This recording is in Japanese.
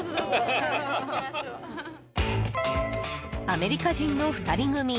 アメリカ人の２人組。